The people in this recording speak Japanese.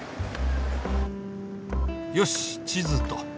よし地図と。